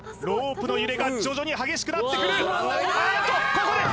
ロープの揺れが徐々に激しくなってくるあっと